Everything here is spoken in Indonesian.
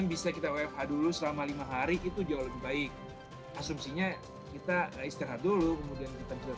bisa kita wfa dulu selama lima hari itu jauh lebih baik asumsinya kita istirahat dulu kemudian kita bisa